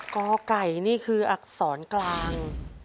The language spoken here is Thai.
คำตอบที่ถูกต้องนึงก็คือ